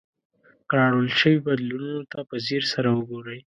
راوړل شوي بدلونونو ته په ځیر سره وګورئ.